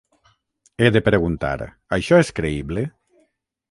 He de preguntar: "Això és creïble?